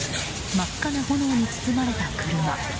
真っ赤な炎に包まれた車。